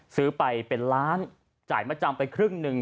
ซื้อไปเป็นล้านจ่ายมาจำไปครึ่งหนึ่ง